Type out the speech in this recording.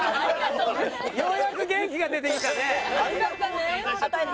ようやく元気が出てきたね。